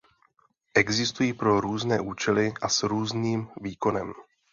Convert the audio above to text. Existují pro různé účely a s různým výkonem.